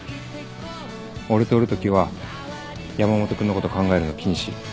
俺とおるときは山本君のこと考えるの禁止。